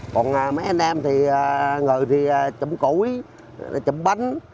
còn mấy anh em thì người thì chụm củi chụm bánh